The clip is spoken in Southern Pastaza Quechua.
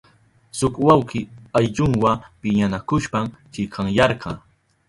Shuk wawki ayllunwa piñanakushpan chikanyarka.